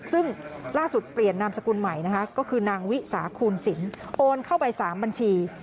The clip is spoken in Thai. ซึ่งล่าสุดเปลี่ยนนามสกุลใหม่นะคะก็คือนางวิสาคูณสินโอนเข้าไป๓บัญชี